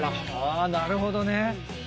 あぁなるほどね！